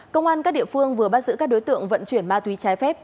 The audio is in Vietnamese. công an các địa phương vừa bắt giữ các đối tượng vận chuyển ma túy trái phép